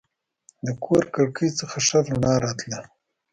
د کور کړکۍ څخه ښه رڼا راتله.